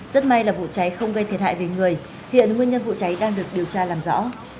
rất may là vụ cháy không gây thiệt hại về người hiện nguyên nhân vụ cháy đang được điều tra làm rõ